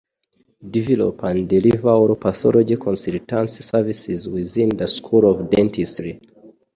Develop and deliver oral pathology consultancy services within the school of Dentistry